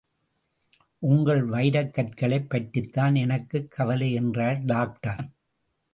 உங்கள் வைரக்கற்களைப் பற்றித்தான் எனக்குக் கவலை, என்றார் டாக்டர்.